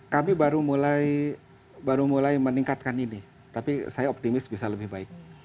kami baru mulai meningkatkan ini tapi saya optimis bisa lebih baik